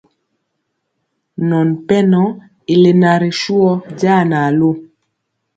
Nɔn pɛnɔ i lena ri suhɔ jaa na lu.